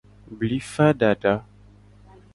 Blifa dada.